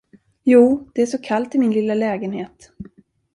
Jo, det är så kallt i min lilla lägenhet.